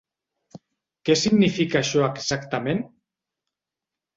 Què significa això exactament?